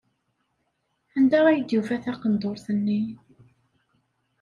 Anda ay d-yufa taqendurt-nni?